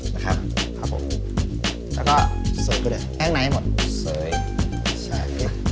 แล้วก็เสริมให้ได้